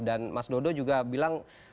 dan mas dodo juga bilang